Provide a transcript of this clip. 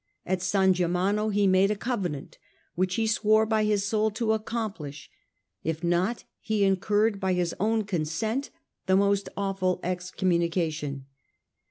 At San Germano he made a covenant which he swore by his soul to accomplish ; if not, he incurred by his own consent the most awful excommunication.